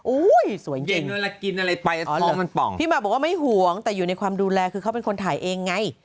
อุ๊ยสวยจริงพี่มากบอกว่าไม่ห่วงแต่อยู่ในความดูแลคือเขาเป็นคนถ่ายเองไง